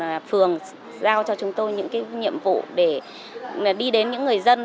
và phường giao cho chúng tôi những cái nhiệm vụ để đi đến những người dân